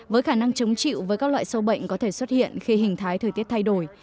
với khả năng chống chịu với các loại sâu bệnh có thể xuất hiện khi hình thái thời tiết thay đổi